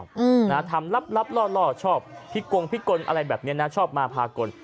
อืมนะฮะทำลับล่อชอบพิกลพิกลอะไรแบบนี้นะชอบมาพากล